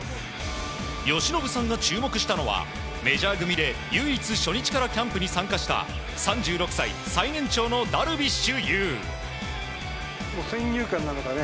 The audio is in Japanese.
由伸さんが注目したのはメジャー組で唯一、初日からキャンプに参加した３６歳、最年長のダルビッシュ有。